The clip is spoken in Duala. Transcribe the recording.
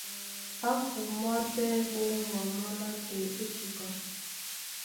Á kumwá pɛ́ ɓóŋgwa mɔ́ nátɛɛ é koka.